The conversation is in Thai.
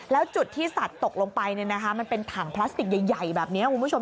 แล้วจุดที่สัตว์ตกลงไปมันเป็นถังพลาสติกใหญ่แบบนี้คุณผู้ชม